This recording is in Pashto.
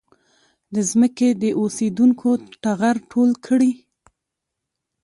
د ځمکې د اوسېدونکو ټغر ټول کړي.